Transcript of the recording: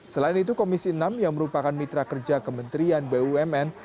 selain itu komisi enam yang merupakan mitra kerja kementerian bumn